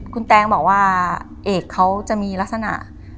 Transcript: คุณแตงบอกว่าเอกเขาจะมีลักษณะ